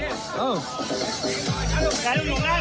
เอากั้งว่าถ้ากั้งว่าอยู่กัน